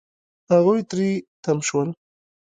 هغوی تری تم شول.